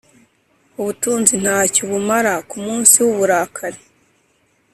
ubutunzi nta cyo bumara ku munsi w’uburakari